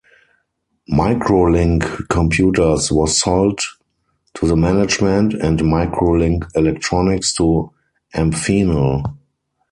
MicroLink Computers was sold to the management and MicroLink Electronics to Amphenol.